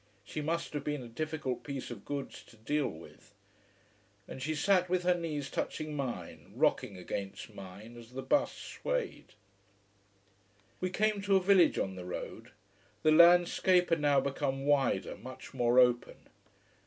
She must have been a difficult piece of goods to deal with. And she sat with her knees touching mine, rocking against mine as the bus swayed. We came to a village on the road: the landscape had now become wider, much more open.